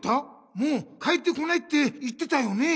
もう帰ってこないって言ってたよね。